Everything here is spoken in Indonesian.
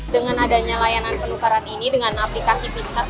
dengan adanya layanan penukaran ini dengan aplikasi pihak